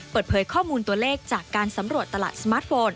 เปิดเผยข้อมูลตัวเลขจากการสำรวจตลาดสมาร์ทโฟน